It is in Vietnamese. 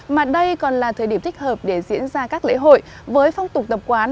mà đây còn là thời điểm thích hợp để diễn ra các lễ hội với phong tục tập quán